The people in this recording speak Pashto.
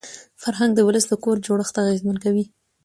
فرهنګ د ولس د کور جوړښت اغېزمن کوي.